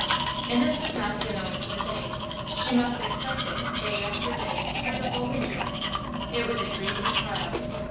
And this was not the annoyance of a day; she must expect it day after day through the whole winter. It was a grievous trial.